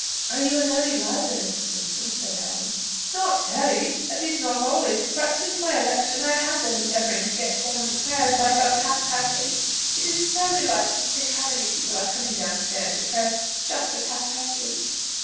"Are you an early riser, Mrs. Simpson?" said Helen. "Not very, at least not always; but since my election I have been endeavouring to get down to prayers by about half past eight. It is so delightful to think how many people are coming down stairs to prayers just at half past eight!"